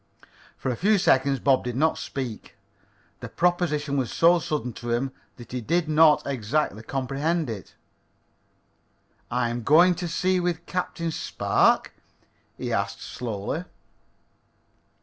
For a few seconds Bob did not speak. The proposition was so sudden to him that he did not exactly comprehend it. "I'm to go to sea with Captain Spark?" he asked slowly.